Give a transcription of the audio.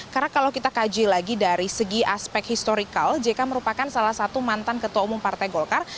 karena kalau kita kaji lagi dari segi aspek historical jk merupakan salah satu mantan ketua umum partai golkar